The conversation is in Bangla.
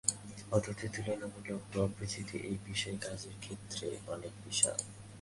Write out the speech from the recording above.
অথচ তুলনামূলক অপরিচিত এই বিষয়ে কাজের ক্ষেত্র অনেক বিশাল।